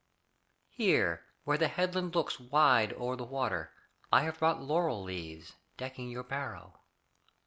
Here where the headland looks Wide o'er the water, I have brought laurel leaves, Decking your barrow.